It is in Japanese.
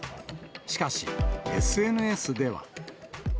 しかし、ＳＮＳでは。